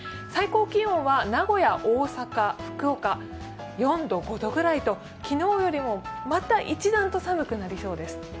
最高気温は名古屋、大阪、福岡、４度、５度くらいと昨日よりもまた一段と寒くなりそうです。